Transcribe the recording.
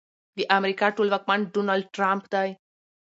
د امريکا ټولواکمن ډونالډ ټرمپ دی.